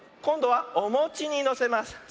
こんどはおもちにのせます。